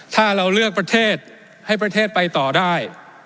ถ้าเราเลือกประเทศให้ประเทศไปต่อได้